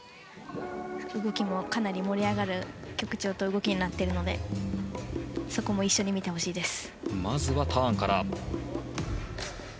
かなり盛り上がる曲調と動きになっているのでそこも一緒に見てほしいです。